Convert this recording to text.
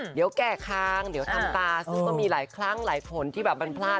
เดี๋ยวแก่คางเดี๋ยวทำตาซึ่งก็มีหลายครั้งหลายผลที่แบบมันพลาด